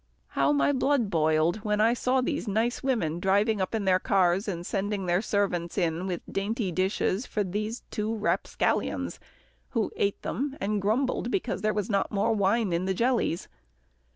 How my blood boiled when I saw these nice women driving up in their cars, and sending their servants in with dainty dishes for these two rapscallions, who ate them and grumbled because there was not more wine in the jellies.